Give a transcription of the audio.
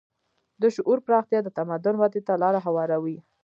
د شعور پراختیا د تمدن ودې ته لاره هواروي.